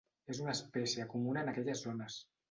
És una espècie comuna en aquelles zones.